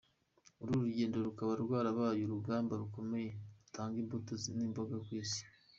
Uru ruganda rukaba rwarabaye uruganda rukomeye rutanga imbuto n’imboga kw’isi.